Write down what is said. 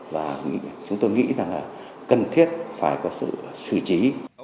và chúng tôi nghĩ rằng là cần thiết phải có sự xử trí